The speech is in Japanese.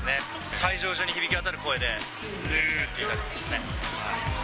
会場中に響き渡る声で、ヌー！って言いたいですね。